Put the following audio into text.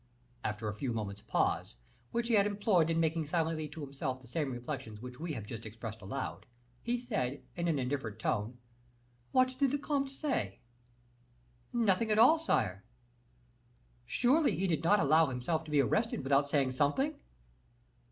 After a few moment's pause, which he had employed in making silently to himself the same reflections which we have just expressed aloud, he said, in an indifferent tone: "What did the comte say?" "Nothing at all, sire." "Surely he did not allow himself to be arrested without saying something?"